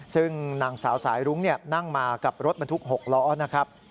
ซึ่งนางสาวสายรุ้งนั่งมากับรถบรรทุก๖ล้อนะครับ